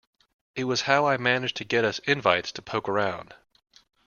It was how I managed to get us invites to poke around.